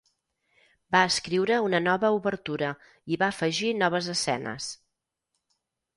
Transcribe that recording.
Va escriure una nova obertura i va afegir noves escenes.